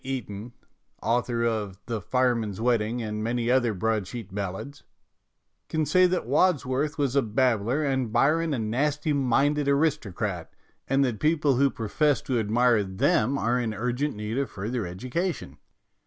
Eaton (author of the "Fireman's Wedding " and many other broadsheet ballads) can say that Wordsworth was a babbler and Byron a nasty minded aristo crat, and that people who profess to admire them are in urgent need of further educa tion.